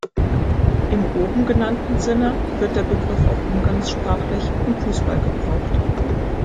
In oben genannten Sinne wird der Begriff auch umgangssprachlich im Fußball gebraucht.